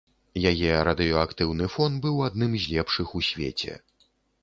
Яе радыеактыўны фон быў адным з лепшых у свеце.